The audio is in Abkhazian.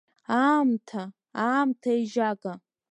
Аамҭа, аамҭа еижьага.